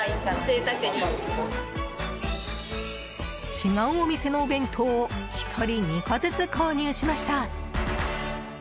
違うお店のお弁当を１人２個ずつ購入しました。